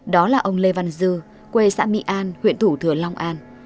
đó là ông lê văn dư quê xã mỹ an huyện thủ thừa long an